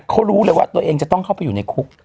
เขารู้เลยว่าตัวเองจะต้องเข้าไปอยู่ในคุก